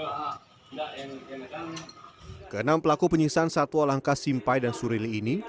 hai senyum tidak enak yang kenang pelaku penyiksaan satwa langka simpai dan surili ini